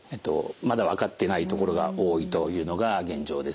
まだ分かってないところが多いというのが現状です。